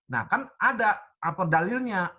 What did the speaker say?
nah kan ada apa dalilnya